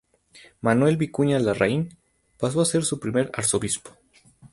Manuel Vicuña Larraín, pasó a ser su primer arzobispo.